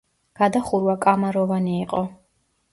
გადახურვა კამაროვანი იყო.